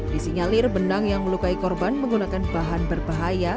di sinyalir benang yang melukai korban menggunakan bahan berbahaya